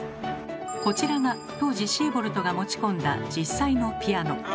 こちらが当時シーボルトが持ち込んだ実際のピアノ。